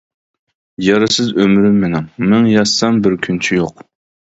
يارسىز ئۆمرۈم مېنىڭ، مىڭ ياشىسام بىر كۈنچى يوق.